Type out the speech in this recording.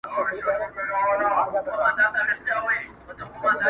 کار تر کار تېر دئ.